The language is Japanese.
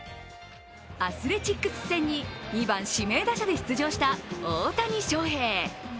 アスレチックス戦に２番・指名打者が出場した大谷翔平。